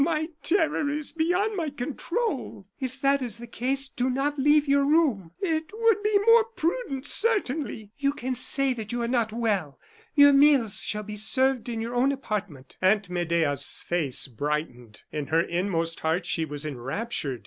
"Ah! my terror is beyond my control." "If that is the case, do not leave your room." "It would be more prudent, certainly." "You can say that you are not well; your meals shall be served in your own apartment." Aunt Medea's face brightened. In her inmost heart she was enraptured.